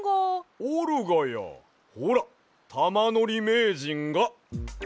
おるがやほらたまのりめいじんが。